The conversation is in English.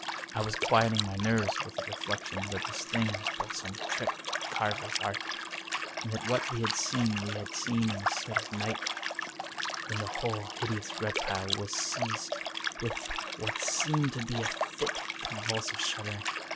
I was quieting my nerves with the reflection that this thing was but some trick of the carver's art, and that what we had seen we had seen in a sort of nightmare, when the whole hideous rep tile was seized with what seemed to be a fit of convulsive shuddering.